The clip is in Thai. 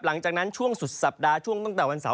หลังจากนั้นช่วงสุดสัปดาห์ช่วงตั้งแต่วันเสาร์